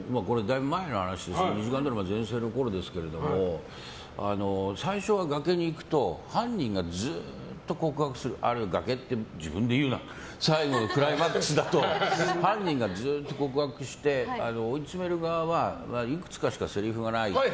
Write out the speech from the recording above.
だいぶ前の話ですけど２時間ドラマ全盛のころですけど最初は崖に行くと犯人がずっと告白する崖って自分で言うな最後のクライマックスだと犯人がずっと告白して追い詰める側はいくつかしかせりふがない。